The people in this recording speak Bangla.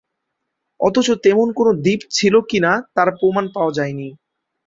অথচ তেমন কোনো দ্বীপ ছিল কি না তার প্রমাণ পাওয়া যায়নি।